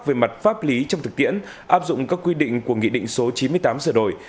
về mặt pháp lý trong thực tiễn áp dụng các quy định của nghị định số chín mươi tám sửa đổi